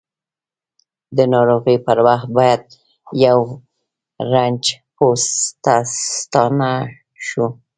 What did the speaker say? د ناروغۍ پر وخت باید یؤ رنځ پوه ته ستانه شوو!